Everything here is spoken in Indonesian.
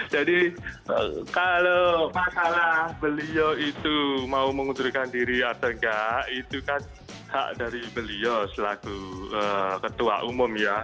jadi kalau masalah beliau itu mau mengundurkan diri atau enggak itu kan hak dari beliau selaku ketua umum ya